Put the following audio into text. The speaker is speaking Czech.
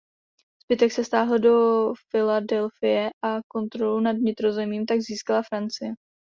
Zbytek se stáhl do Filadelfie a kontrolu nad vnitrozemím tak získala Francie.